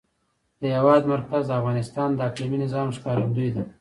د هېواد مرکز د افغانستان د اقلیمي نظام ښکارندوی ده.